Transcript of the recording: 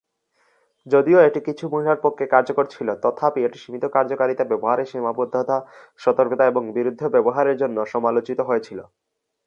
যদিও এটি কিছু মহিলার পক্ষে কার্যকর ছিল, তথাপি এটির সীমিত কার্যকারিতা, ব্যবহারের সীমাবদ্ধতা, সতর্কতা এবং বিরুদ্ধ ব্যবহারের জন্য সমালোচিত হয়েছিল।